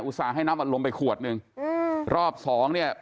ส่าห์ให้น้ำอัดลมไปขวดหนึ่งอืมรอบสองเนี่ย